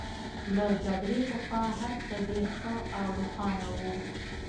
له جګړې پخوا هرڅه ډېر ښه او روښانه وو